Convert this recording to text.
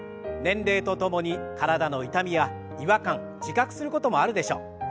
年齢とともに体の痛みや違和感自覚することもあるでしょう。